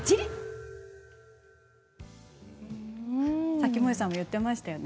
さっき、もえさんも言っていましたよね。